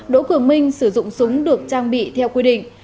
đỗ cường minh sử dụng súng được trang bị theo quy định